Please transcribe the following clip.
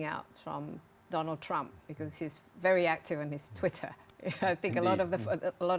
semoga kita bisa membuat kes ini jelas untuk kebukaan